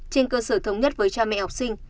trên cơ sở thống nhất với cha mẹ học sinh